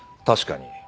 確かに。